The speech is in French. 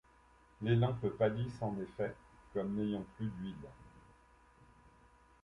Les lampes pâlissent en effet, comme n’ayant plus d’huile.